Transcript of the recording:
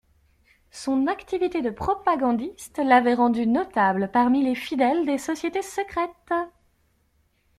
Son activité de propagandiste l'avait rendu notable parmi les fidèles des sociétés secrètes.